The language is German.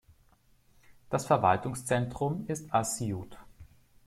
Das Verwaltungszentrum ist Asyut.